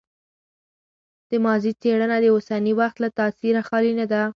د ماضي څېړنه د اوسني وخت له تاثیره خالي نه ده.